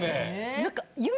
何か。